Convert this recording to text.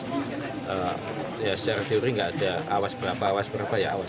jadi awas secara teori tidak ada awas berapa